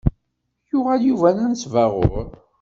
Yuɣal Yuba d anesbaɣur.